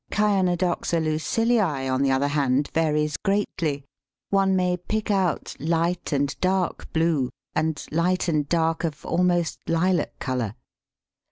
Chionodoxa Lucilliæ, on the other hand, varies greatly; one may pick out light and dark blue, and light and dark of almost lilac colour.